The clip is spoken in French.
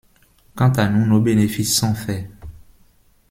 Quant à nous, nos bénéfices sont faits.